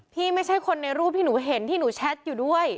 ไม่ใช่คนในรูปที่หนูเห็นที่หนูแชทอยู่ด้วย